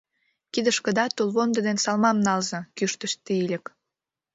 — Кидышкыда тулвондо ден салмам налза! — кӱштыш Тиилик.